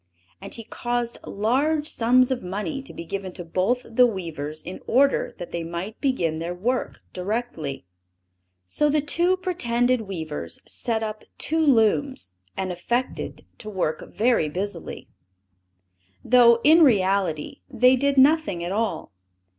And he caused large sums of money to be given to both the weavers in order that they might begin their work directly. So the two pretended weavers set up two looms, and affected to work very busily, though in reality they did nothing at all.